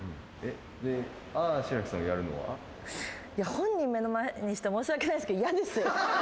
本人目の前にして申し訳ないですけど。